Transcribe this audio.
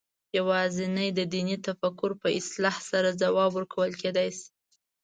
یوازې د دیني تفکر په اصلاح سره ځواب ورکول کېدای شي.